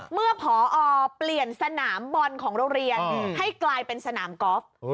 เมื่อพอเปลี่ยนสนามบอลของโรงเรียนให้กลายเป็นสนามกอล์ฟ